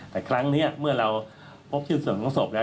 แต่ครั้งนี้เมื่อเราพบชิ้นส่วนของศพแล้ว